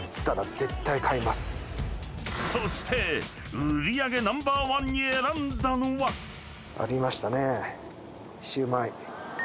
［そして売り上げナンバーワンに選んだのは］ありましたね。